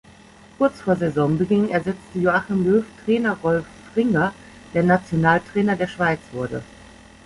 Kurz vor Saisonbeginn ersetzte Joachim Löw Trainer Rolf Fringer, der Nationaltrainer der Schweiz wurde.